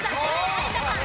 有田さん